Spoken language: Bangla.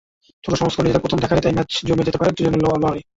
ছোট সংস্করণে নিজেদের প্রথম দেখাতেই তাই ম্যাচ জমে যেতে পারে দুজনের লড়াই।